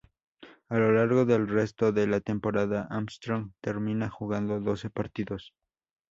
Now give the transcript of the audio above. A lo largo del resto de la temporada, Armstrong terminó jugando doce partidos.